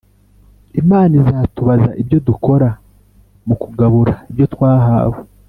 Imana izatubaza ibyo dukora mu kugabura ibyo twahawe